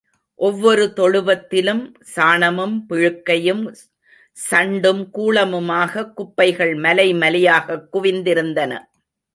ஒவ்வொரு தொழுவத்திலும் சாணமும், பிழுக்கையும், சண்டும், கூளமுமாகக் குப்பைகள் மலை மலையாகக் குவிந்திருந்தன.